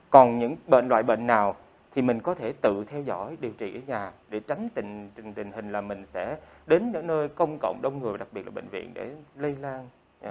còn những loại bệnh nào thì mình có thể tự theo dõi điều trị ở nhà để tránh tình hình là mình sẽ đến những nơi công cộng đông người đặc biệt là bệnh viện để lây lan